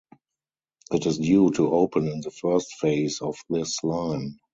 It is due to open in the first phase of this line.